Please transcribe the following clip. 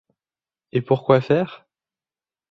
Et pour quoi faire ?